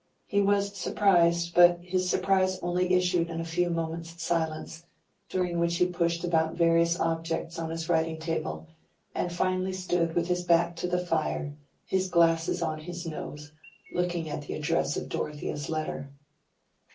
He was surprised, but his surprise only issued in a few moments' silence, during which he pushed about various objects on his writing table, and finally stood with his back to the fire, his glasses on his nose, looking at the address of Dorothea's letter.